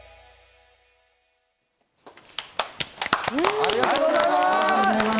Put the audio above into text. ありがとうございます！